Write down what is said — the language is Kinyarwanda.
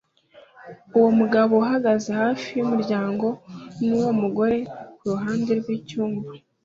Uwo mugabo uhagaze hafi yumuryango nuwo mugore kuruhande rwicyumba